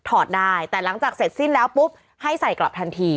ได้แต่หลังจากเสร็จสิ้นแล้วปุ๊บให้ใส่กลับทันที